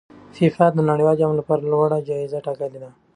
فیفا د نړیوال جام لپاره لوړه جایزه ټاکلې ده.